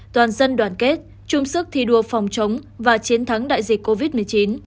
toàn dân đoàn kết chung sức thi đua đặc biệt toàn dân đoàn kết chung sức thi đua đặc biệt toàn dân đoàn kết